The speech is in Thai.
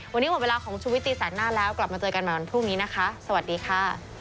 วันนี้หมดเวลาของชุวิตตีแสกหน้าแล้วกลับมาเจอกันใหม่วันพรุ่งนี้นะคะสวัสดีค่ะ